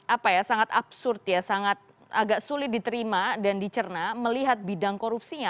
apa ya sangat absurd ya sangat agak sulit diterima dan dicerna melihat bidang korupsinya